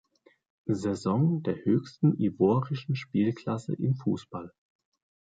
Saison der höchsten ivorischen Spielklasse im Fußball.